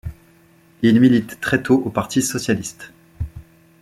Il milite très tôt au parti socialiste.